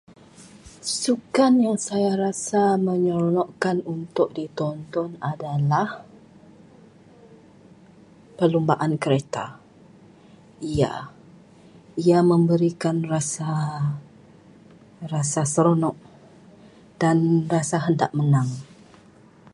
Sukan yang saya rasa menyeronokkan untuk ditonton adalah perlumbaan kereta. Ya, ia memberikan rasa- rasa seronok dan rasa hendak menang.